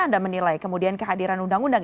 anda menilai kemudian kehadiran undang undang